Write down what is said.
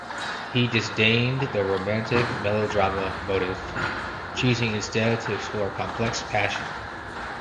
He disdained the romantic melodrama motif, choosing instead to explore complex passion.